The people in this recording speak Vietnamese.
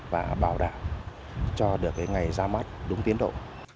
và đã cho được ngày ra mắt đúng tiến độ